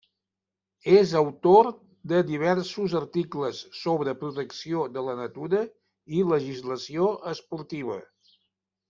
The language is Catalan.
És autor de diversos articles sobre protecció de la natura i legislació esportiva.